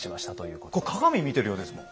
これ鏡見てるようですもん。